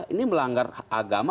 ini melanggar agama